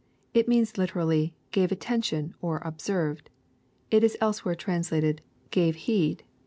It means literally "gave atten* tion," or " observed." It is elsewhere translated '* gave heed."